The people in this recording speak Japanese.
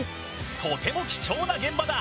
とても貴重な現場だ！